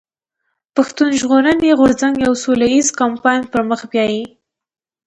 پښتون ژغورني غورځنګ يو سوله ايز کمپاين پر مخ بيايي.